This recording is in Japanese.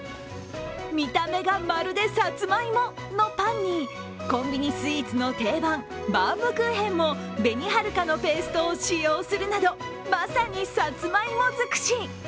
見た目がまるで、さつまいものパンに、コンビニスイーツの定番、バウムクーヘンも紅はるかのペーストを使用するなどまさにさつまいもづくし！